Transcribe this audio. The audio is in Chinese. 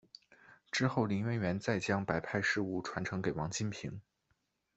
之后林渊源再将白派事务传承给王金平。